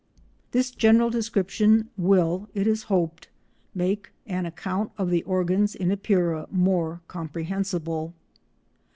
This general description will, it is hoped, make an account of the organs in Epeira more comprehensible.